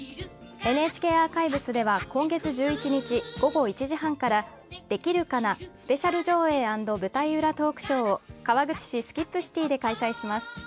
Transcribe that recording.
ＮＨＫアーカイブスでは今月１１日、午後１時半から「できるかなスペシャル上映＆舞台うらトークショー」を川口市、ＳＫＩＰシティで開催します。